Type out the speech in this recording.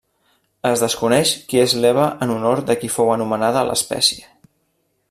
Es desconeix qui és l'Eva en honor de qui fou anomenada l'espècie.